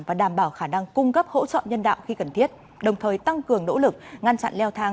và đảm bảo khả năng cung cấp hỗ trợ nhân đạo khi cần thiết đồng thời tăng cường nỗ lực ngăn chặn leo thang